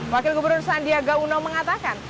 wakil gubernur sandiaga uno mengatakan